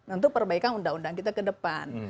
untuk perbaikan undang undang kita ke depan